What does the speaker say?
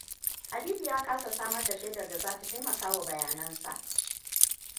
Habibu ya kasa samar da shaidar da za ta taimakawa bayanan sa.